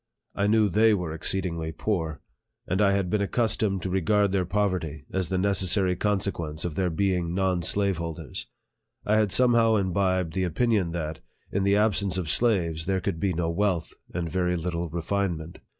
I knew they were ex LIFE OF FREDERICK DOUGLASS. 113 ceedingly poor, and I had been accustomed to regard their poverty as the necessary consequence of their being non slaveholders. I had somehow imbibed the opinion that, in the absence of slaves, there could be no wealth, and very little refinement.